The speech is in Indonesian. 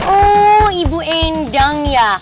oh ibu endang ya